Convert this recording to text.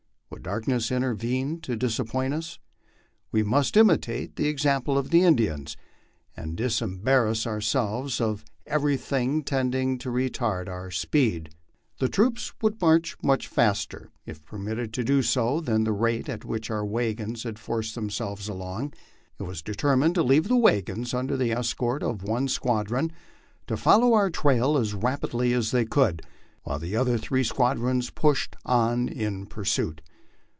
Would darkness intervene to disappoint us ? We must imitate the example of the Indians, and disembarrass ourselves of every thing tending to retard our speed. The troops would march much faster, if permitted to do so, than the rate at which our wagons had forced themselves along. It was determined to leave the wagons, under escort of one squadron, to follow our trail as rapidly as they could, while the other three squadrons pushed on in pursuit.